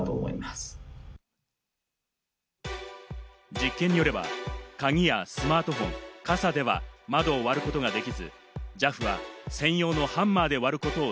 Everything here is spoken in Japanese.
実験によれば、鍵やスマートフォン、傘では窓を割ることができず、ＪＡＦは専用のハンマーで割ることを